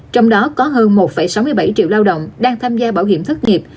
trong đó có hơn một sáu mươi bảy triệu lao động đang tham gia bảo hiểm thất nghiệp